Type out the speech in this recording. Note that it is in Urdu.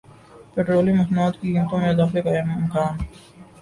پیٹرولیم مصنوعات کی قیمتوں میں اضافے کا امکان